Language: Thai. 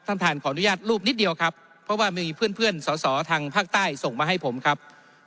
ท่านท่านขออนุญาตรูปนิดเดียวครับเพราะว่าไม่มีเพื่อนเพื่อนสอสอทางภาคใต้ส่งมาให้ผมครับ